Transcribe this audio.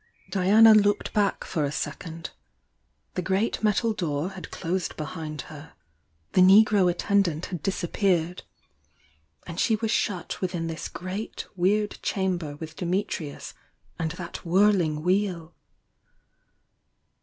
Oiana looked hack for a second, — the great metal duor had closed behind her, — the negro attendant had disappeared, — she waS shut within this great weird chamber with Dimitrius and that whirling Wheel!